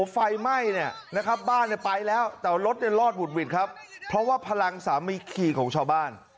ไฟไหม้เนี่ยนะครับบ้านเนี่ยไปแล้วแต่รถเนี่ยรอดหุดหวิดครับเพราะว่าพลังสามีขี่ของชาวบ้าน